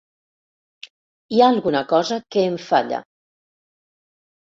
Hi ha alguna cosa que em falla.